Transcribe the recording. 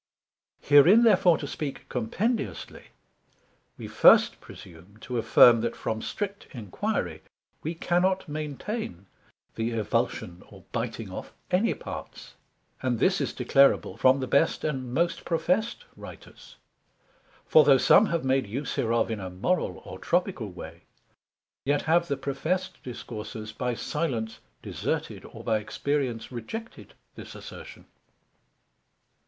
Herein therefore to speak compendiously, we first presume to affirm that from strict enquiry, we cannot maintain the evulsion or biting off any parts, and this is declarable from the best and most professed Writers: for though some have made use hereof in a Moral or Tropical way, yet have the professed Discoursers by silence deserted, or by experience rejected this assertion.